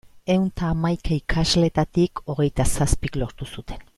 Ehun eta hamaika ikasleetatik hogeita zazpik lortu zuten.